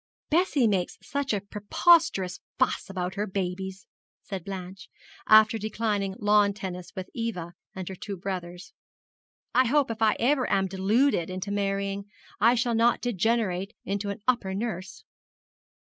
'Bessie makes such a preposterous fuss about her babies,' said Blanche, after declining lawn tennis with Eva and her two brothers. 'I hope if ever I am deluded into marrying, I shall not degenerate into an upper nurse.'